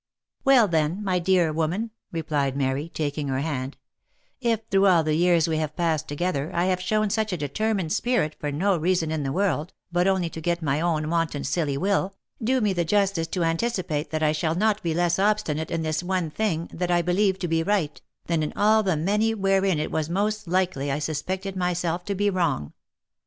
*' Well then, my dear woman," replied Mary, taking her hand, " if, through all the years we have passed together, I have shown such a determined spirit for no reason in the world but only to get my own wanton silly will, do me the justice to anticipate that I shall not be less obstinate in this one thing, that I believe to be right, than in all the many wherein it was most likely I suspected myself to be wrong.